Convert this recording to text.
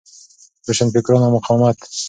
روشنفکران او مقاومت